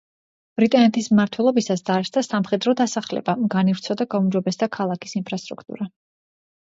ბრიტანეთის მმართველობისას, დაარსდა სამხედრო დასახლება, განივრცო და გაუმჯობესდა ქალაქის ინფრასტრუქტურა.